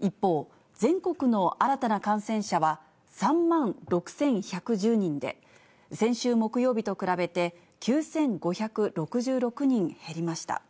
一方、全国の新たな感染者は３万６１１０人で、先週木曜日と比べて、９５６６人減りました。